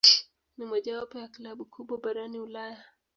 Ni mojawapo ya klabu kubwa barani Ulaya.